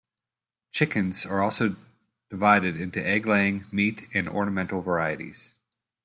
Chickens are also divided into egg laying, meat, and ornamental varieties.